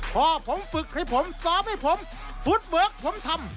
พ่อผมฝึกให้ผมซ้อมให้ผมฟุตเวิร์คผมทำ